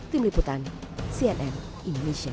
tim liputan cnn indonesia